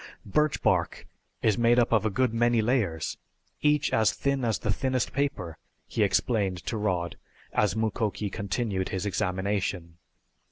"Birch bark is made up of a good many layers, each as thin as the thinnest paper," he explained to Rod as Mukoki continued his examination.